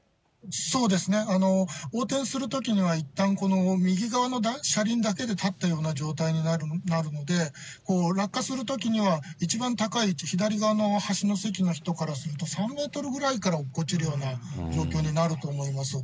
そうですね、横転するときには、いったん右側の車輪だけで立ったような状態になるので、落下するときには、一番高い位置、左側の端の席の人からすると、３メートルぐらいから落っこちるような状況になると思います。